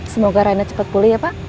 semoga raina cepat pulih ya pak